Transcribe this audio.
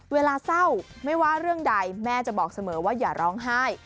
เวลาเศร้าไม่ว่าเรื่องใดแม่จะบอกเสมอว่าอย่าร้องไห้